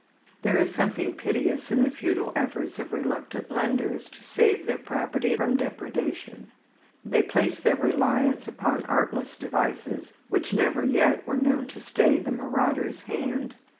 There is something piteous in the futile efforts of reluctant lenders to save their property from depredation. They place their reliance upon artless devices which never yet were known to stay the marauder's hand.